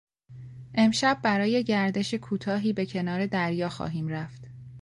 امشب برای گردش کوتاهی به کنار دریا خواهیم رفت.